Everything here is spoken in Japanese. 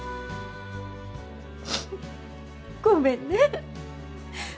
ごめんね。